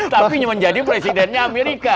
tapi cuma jadi presidennya amerika